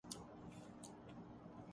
بحیرہ عرب میں آنے والا ’طوفان